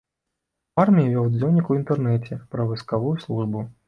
У арміі вёў дзённік у інтэрнеце пра вайсковую службу.